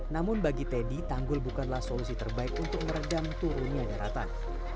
namun bagi teddy tanggul bukanlah solusi terbaik untuk meredam turunnya daratan